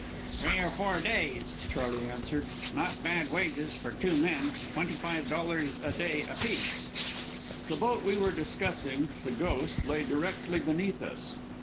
"Three or four days," Charley answered. "Not bad wages for two men twenty five dollars a day apiece." The boat we were discussing, the Ghost, lay directly beneath us.